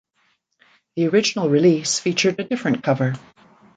The original release featured a different cover.